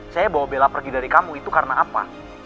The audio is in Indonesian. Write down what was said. saya bawa bela pergi dari kamu itu karena apa